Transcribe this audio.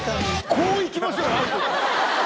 こういきましょうよ。